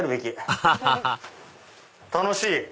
アハハハ楽しい！